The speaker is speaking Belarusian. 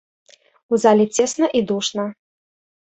У зале цесна і душна.